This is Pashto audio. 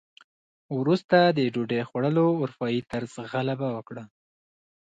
وروسته د ډوډۍ خوړلو اروپايي طرز غلبه وکړه.